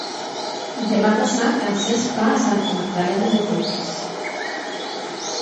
Demà passat en Cesc va a Santa Magdalena de Polpís.